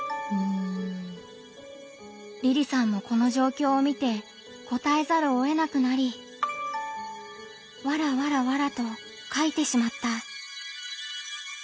りりさんもこの状況を見てこたえざるをえなくなり「ｗｗｗ」と書いてしまった。